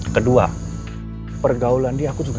kedua pergaulan dia aku juga